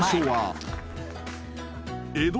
はい。